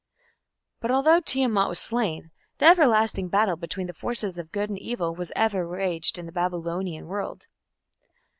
But although Tiamat was slain, the everlasting battle between the forces of good and evil was ever waged in the Babylonian world.